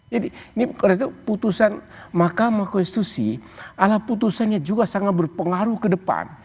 jadi ini putusan mahkamah konstitusi ala putusannya juga sangat berpengaruh ke depan